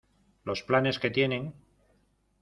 los planes que tienen